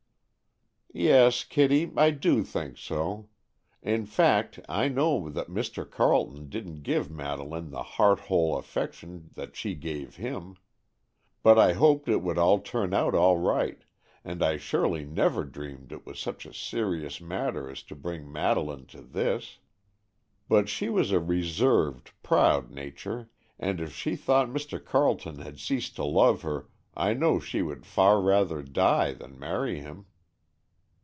"Yes, Kitty, I do think so. In fact, I know that Mr. Carleton didn't give Madeleine the heart whole affection that she gave him. But I hoped it would all turn out right, and I surely never dreamed it was such a serious matter as to bring Madeleine to this. But she was a reserved, proud nature, and if she thought Mr. Carleton had ceased to love her, I know she would far rather die than marry him."